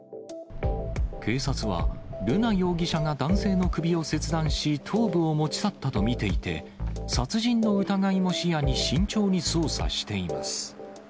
警察は瑠奈容疑者が男性の首を切断し、頭部を持ち去ったと見ていて、殺人の疑いも視野に慎重に捜査しています。